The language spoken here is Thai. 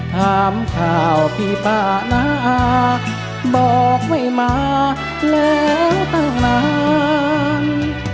ถามข่าวพี่ป้าน้าบอกไม่มาแล้วตั้งนาน